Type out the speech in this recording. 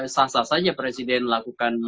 sah sah saja presiden lakukan